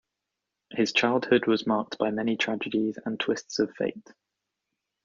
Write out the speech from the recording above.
His childhood was marked by many tragedies and twists of fate.